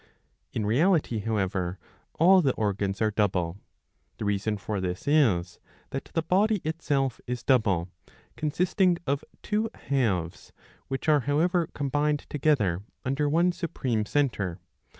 ^ In reality however all the organs are double.^ The reason for this is that the body itself is double, consisting of two halves, which are however combined together under one supreme centre.